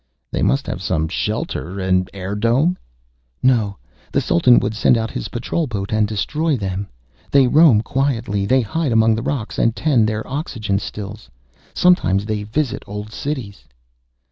"They must have some shelter an air dome." "No. The Sultan would send out his patrol boat and destroy them. They roam quietly. They hide among the rocks and tend their oxygen stills. Sometimes they visit the old cities."